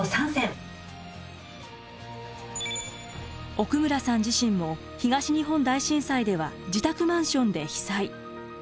奥村さん自身も東日本大震災では自宅マンションで被災。